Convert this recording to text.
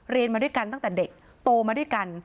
มาด้วยกันตั้งแต่เด็กโตมาด้วยกัน